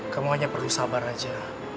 kamu hanya perlu sabar aja